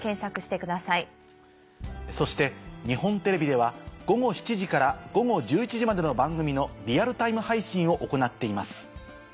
そして日本テレビでは午後７時から午後１１時までの番組のリアルタイム配信を行っています。